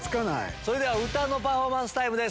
それでは歌のパフォーマンスタイムです。